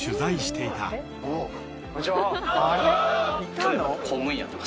当時こんにちは。